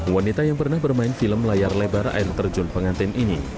wanita yang pernah bermain film layar lebar air terjun pengantin ini